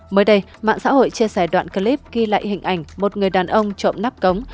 mới đây mạng xã hội chia sẻ đoạn clip ghi lại hình ảnh một người đàn ông trộm nắp cống